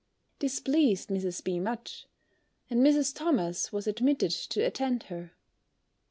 This pleased Mrs. B. much, and Mrs. Thomas was admitted to attend her.